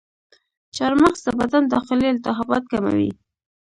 چارمغز د بدن داخلي التهابات کموي.